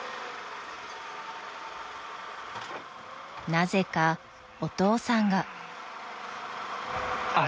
［なぜかお父さんが］